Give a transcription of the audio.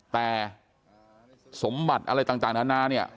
แต่สมบัติอะไรต่างนานาเนี่ย